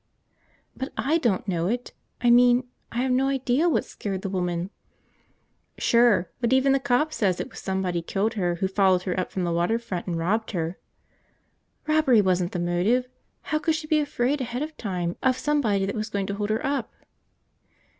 "But I don't know it. I mean, I have no idea what scared the woman. ..." "Sure, but even the cop says it was somebody killed her, who followed her up from the water front and robbed her!" "Robbery wasn't the motive! How could she be afraid ahead of time of somebody that was going to hold her up?"